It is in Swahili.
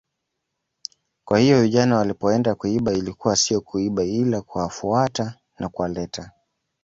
Kwa hiyo vijana walipoenda kuiba ilikuwa sio kuiba ila kuwafuata na kuwaleta